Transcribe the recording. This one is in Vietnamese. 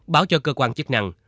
báo cho cơ quan chức năng